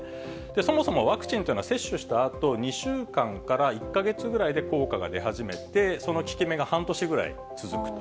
そもそもワクチンというのは、接種したあと、２週間から１か月ぐらいで効果が出始めて、その効き目が半年ぐらい続くと。